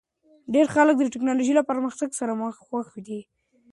ډېر خلک د ټکنالوژۍ له پرمختګ سره خوښ دي.